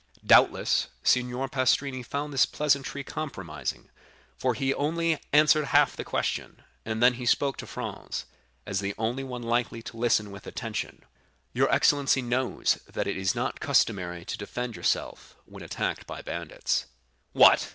Doubtless Signor Pastrini found this pleasantry compromising, for he only answered half the question, and then he spoke to Franz, as the only one likely to listen with attention. "Your excellency knows that it is not customary to defend yourself when attacked by bandits." "What!"